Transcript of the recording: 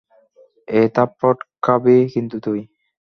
এই, থাপ্পড় খাবি কিন্তু তুই।